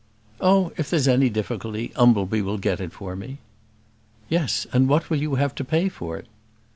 "Oh if there's any difficulty, Umbleby will get it for me." "Yes; and what will you have to pay for it?"